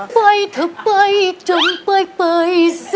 ไปเถอะไปจงไปไปซะ